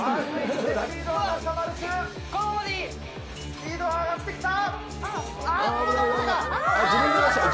スピードが上がってきた。